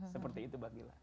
seperti itu bang gila